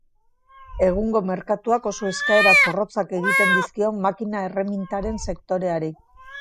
Egungo merkatuak oso eskaera zorrotzak egiten dizkio makina erremintaren sektoreari.